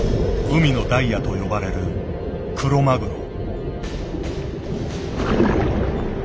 「海のダイヤ」と呼ばれるクロマグロ。